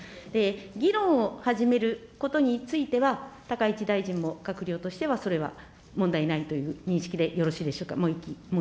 議論を始めることについては、高市大臣も閣僚としてはそれは問題ないという認識でよろしいでしょうか。